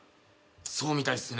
そうみたいっすね。